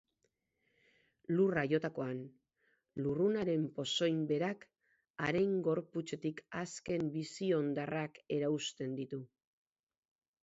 Lurra jotakoan, lurrunaren pozoin berak haren gorputzetik azken bizi hondarrak erauzten ditu.